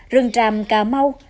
rừng tràm cà mau